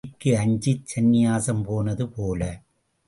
எலிக்கு அஞ்சிச் சந்நியாசம் போனது போல.